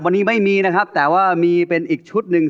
วันนี้ไม่มีนะครับแต่ว่ามีเป็นอีกชุดหนึ่ง